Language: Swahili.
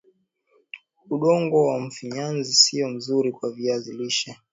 udongo wa mfinyamzi sio mzuri kwa viazi lishe